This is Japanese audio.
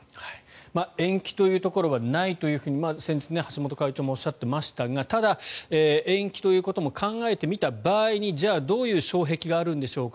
延期というところはないと先日、橋本会長もおっしゃっていましたがただ、延期ということも考えてみた場合にじゃあどういう障壁があるんでしょうか。